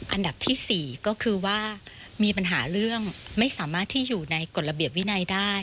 อันดับที่๔ก็คือว่ามีปัญหาเรื่องไม่สามารถที่อยู่ในกฎระเบียบวินัยได้